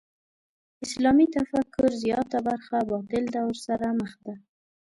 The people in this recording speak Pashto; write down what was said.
اسلامي تفکر زیاته برخه باطل دور سره مخ ده.